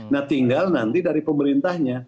nah tinggal nanti dari pemerintahnya